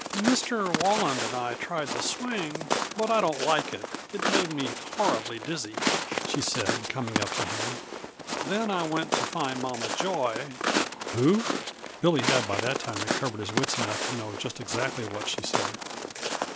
"Mr. Walland and I tried the swing, but I don't like it; it made me horribly dizzy," she said, coming up to him. "Then I went to find Mama Joy " "Who?" Billy had by that time recovered his wits enough to know just exactly what she said.